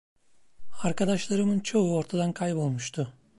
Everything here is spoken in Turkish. Arkadaşlarımın çoğu ortadan kaybolmuştu.